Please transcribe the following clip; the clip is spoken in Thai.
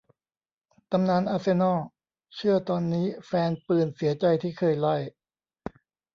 ตำนาน อาร์เซนอล เชื่อตอนนี้แฟนปืนเสียใจที่เคยไล่